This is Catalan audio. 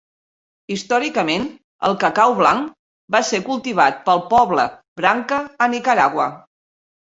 Històricament, el cacau blanc va ser cultivat pel poble Branca a Nicaragua.